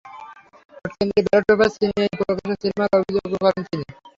ভোটকেন্দ্রে ballot paper ছিনিয়ে নিয়ে প্রকাশ্যে সিল মারারও অভিযোগ করেন তিনি।